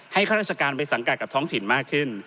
ข้าราชการไปสังกัดกับท้องถิ่นมากขึ้น